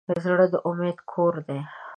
زړه د امید کور دی.